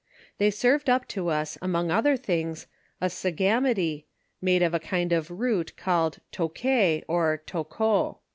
They served up to us among other things a sagamity, made of a kind of root called Toqu^, or Toquo.